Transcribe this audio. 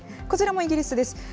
こちらもイギリスです。